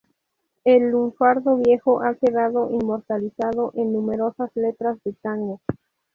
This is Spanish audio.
El lunfardo viejo ha quedado inmortalizado en numerosas letras de tango.